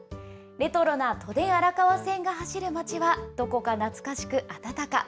レトロな都電荒川線が走る町はどこか懐かしく温か。